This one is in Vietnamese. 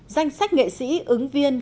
danh sách nghệ sĩ ứng viên